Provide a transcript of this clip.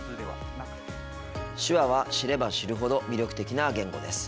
手話は知れば知るほど魅力的な言語です。